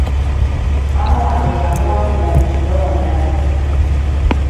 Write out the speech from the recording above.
Maama wange yamuwangula mu kulonda.